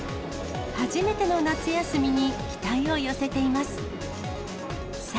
初めての夏休みに、期待を寄せています。